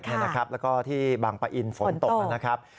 แล้วก็ที่บางปะอินฝนตกนะครับ